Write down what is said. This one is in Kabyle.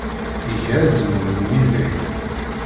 Iga azmul n umidag.